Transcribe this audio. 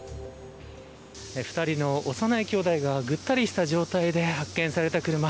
２人の幼いきょうだいがぐったりした状態で発見された車。